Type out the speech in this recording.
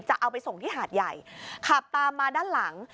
จะเอาไปส่งที่หาดใหญ่ขับตามมาด้านหลัง